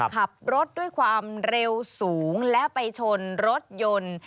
ขับรถด้วยความเร็วสูงและไปชนรถยนต์